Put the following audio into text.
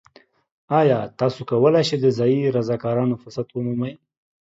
ایا تاسو کولی شئ د ځایی رضاکارانه فرصت ومومئ؟